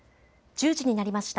１０時になりました。